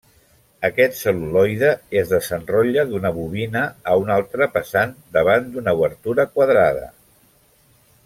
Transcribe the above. Aquest cel·luloide es desenrotlla d'una bobina a una altra passant davant d'una obertura quadrada.